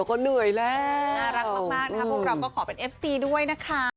ครับผมเราก็ขอเป็นเอฟซีด้วยนะคะ